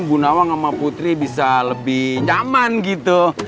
bu nawang sama putri bisa lebih nyaman gitu